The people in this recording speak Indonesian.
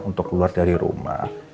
untuk keluar dari rumah